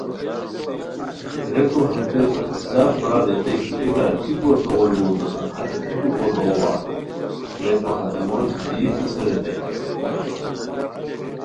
ریکو ہتے زاق برار ریتائے کی اے برار کی گوردوغو لوؤ دوسان ہتے کُھوٹو گوردوغو وا؟ ریکو ہتے موش دی ہسے ریتائے